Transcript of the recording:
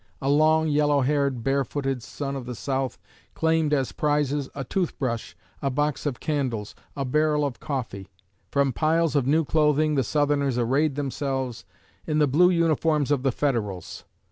A long yellow haired, bare footed son of the South claimed as prizes a tooth brush, a box of candles, a barrel of coffee. From piles of new clothing the Southerners arrayed themselves in the blue uniforms of the Federals.